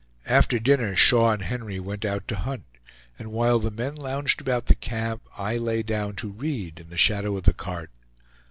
After dinner Shaw and Henry went out to hunt; and while the men lounged about the camp, I lay down to read in the shadow of the cart.